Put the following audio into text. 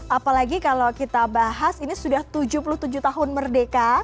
apalagi kalau kita bahas ini sudah tujuh puluh tujuh tahun merdeka